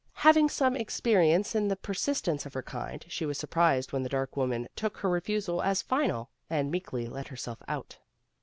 Having had some experience in the persistence of her kind, she was surprised when the dark woman took her refusal as final, and meekly let herself out.